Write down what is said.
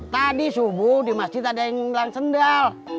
tadi subuh di masjid ada yang bilang sendal